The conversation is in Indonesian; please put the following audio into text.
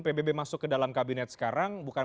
pbb masuk ke dalam kabinet sekarang bukan